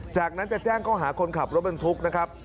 จากนั้นจะแจ้งข้อหาคนขับรถบรรทุกนะครับ